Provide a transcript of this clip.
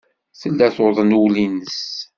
Tella tuḍen ul-nnes.